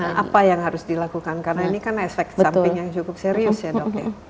nah apa yang harus dilakukan karena ini kan efek samping yang cukup serius ya dok ya